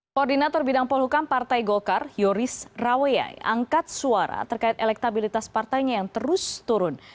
koordinator bidang polhukam partai golkar yoris raweyai angkat suara terkait elektabilitas partainya yang terus turun